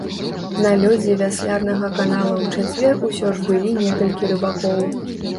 На лёдзе вяслярнага канала ў чацвер усё ж былі некалькі рыбакоў.